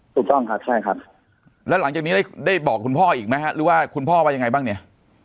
ถูกต้องครับใช่ครับแล้วหลังจากนี้ได้บอกคุณพ่ออีกไหมฮะหรือว่าคุณพ่อว่ายังไงบ้างเนี่ย